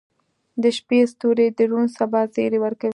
• د شپې ستوري د روڼ سبا زیری ورکوي.